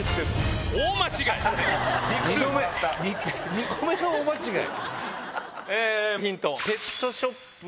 ２個目の大間違い。